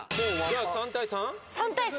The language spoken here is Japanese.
じゃあ３対３？